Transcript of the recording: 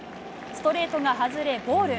ストレートが外れ、ボール。